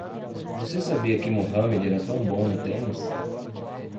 Você sabia que Muhammad era tão bom no tênis?